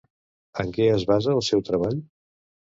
En què es basa el seu treball?